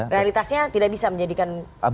realitasnya tidak bisa menjadikan